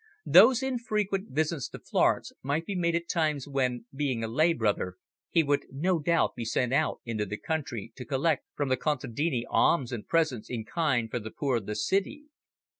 Those infrequent visits to Florence might be made at times when, being a lay brother, he would no doubt be sent out into the country to collect from the contadini alms and presents in kind for the poor in the city.